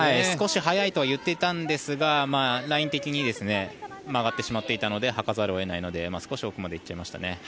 少し速いとは言っていたんですがライン的に曲がってしまっていたので掃かざるを得ないので少し奥まで行ってしまいましたね。